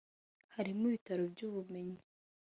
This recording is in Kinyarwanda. harimo ibitabo by’ubumenyi